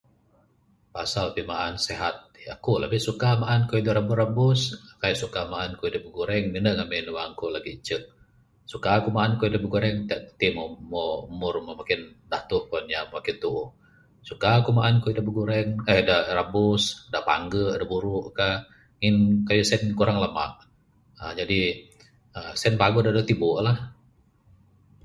Pasal pimaan da sehat ti, aku lebih suka maan kayuh da rabus rabus, kaik suka maan kayuh da bigureng. Mene ngamin ne wang ku lagi icek, suka ku maan kayuh da bigureng, da ... ti mo ... mo umur moh makin gatuh kuan inya makin tuuh, suka ku maan kayuh da bigureng, eee da rabus, da pangge da buruk kah ngin kayuh sen kurang lamak. aaa jadi aaa sen paguh dadeg tibu lah .